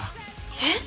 えっ？